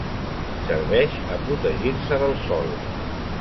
Serveix a protegir-se del sol.